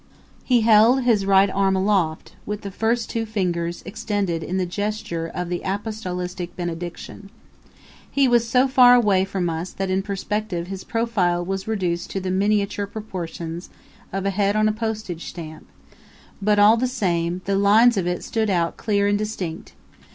He held his right arm aloft, with the first two fingers extended in the gesture of the apostolic benediction. He was so far away from us that in perspective his profile was reduced to the miniature proportions of a head on a postage stamp; but, all the same, the lines of it stood out clear and distinct.